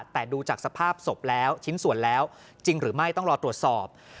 แต่ดูจากสภาพศพแล้วชิ้นส่วนแล้วจริงหรือไม่ต้องรอตรวจสอบ